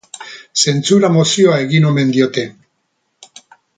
Zentsura-mozioa egin omen diote.